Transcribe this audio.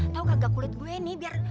tau kagak kulit gue nih biar